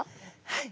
はい。